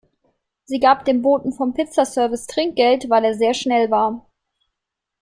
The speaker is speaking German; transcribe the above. Sie gab dem Boten vom Pizza-Service Trinkgeld, weil er sehr schnell war.